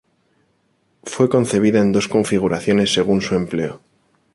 Fue concebida en dos configuraciones según su empleo.